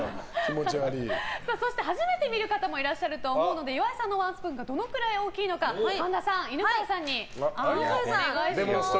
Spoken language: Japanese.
そして、初めて見る方もいらっしゃると思うので岩井さんのワンスプーンがどのくらい大きいのか神田さん、犬飼さんにあーんをお願いします。